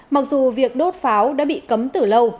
mặc dù việc đốt pháo đã bị cấm từ lâu